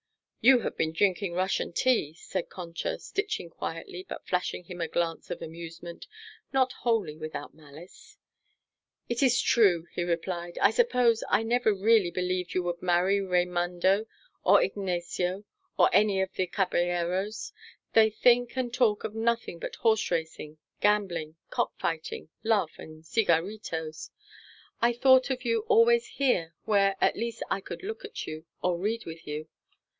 "You have been drinking Russian tea," said Concha, stitching quietly but flashing him a glance of amusement, not wholly without malice. "It is true," he replied. "I suppose I never really believed you would marry Raimundo or Ignacio or any of the caballeros. They think and talk of nothing but horse racing, gambling, cock fighting, love and cigaritos. I thought of you always here, where at least I could look at you or read with you.